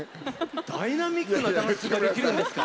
ダイナミックなダンスができるんですか？